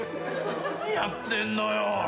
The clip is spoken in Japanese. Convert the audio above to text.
何やってんのよ。